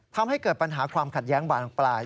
ทำให้เกิดปัญหาความขัดแย้งบานปลาย